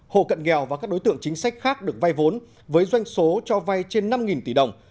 hộ cận nghèo và các đối tượng chính sách khác được vay vốn với doanh số cho vay trên năm tỷ đồng